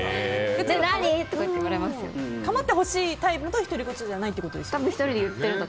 かまってほしいタイプの独り言じゃないということですか。